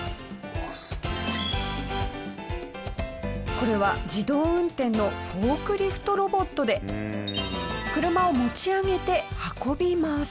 これは自動運転のフォークリフトロボットで車を持ち上げて運びます。